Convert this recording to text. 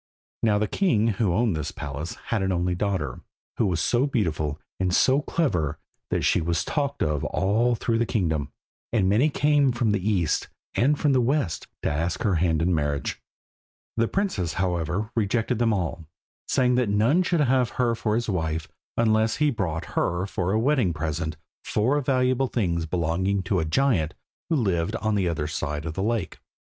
Now the king who owned this palace had an only daughter, who was so beautiful and so clever that she was talked of all through the kingdom, and many came from the east and from the west to ask her hand in marriage. The princess, however, rejected them all, saying that none should have her for his wife unless he brought her for a wedding present four valuable things belonging to a giant who lived on the other side of the lake.